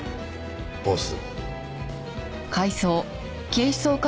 ボス